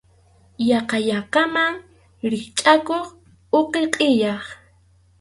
Yaqa llankaman rikchʼakuq uqi qʼillay.